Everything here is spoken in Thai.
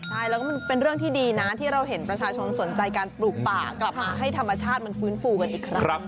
ใช่แล้วก็มันเป็นเรื่องที่ดีนะที่เราเห็นประชาชนสนใจการปลูกป่ากลับมาให้ธรรมชาติมันฟื้นฟูกันอีกครั้ง